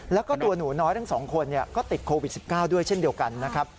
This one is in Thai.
แล้วก็ตัวหนูน้อยทั้งสองคนก็ติดโควิด๑๙ด้วยเช่นเดียวกันนะครับ